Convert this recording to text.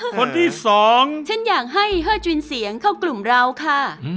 คนที่สองฉันอยากให้เฮอร์จุนเสียงเข้ากลุ่มเราค่ะ